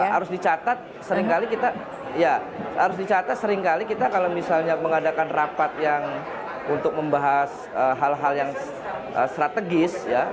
harus dicatat seringkali kita ya harus dicatat seringkali kita kalau misalnya mengadakan rapat yang untuk membahas hal hal yang strategis